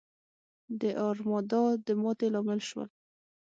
د ارمادا د ماتې لامل شول.